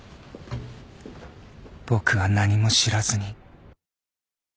僕は何も知らずに